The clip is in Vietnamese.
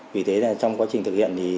vì thế trong quá trình thực hiện